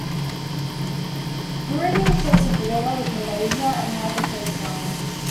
Brunei shares a border with Malaysia and has a coastline.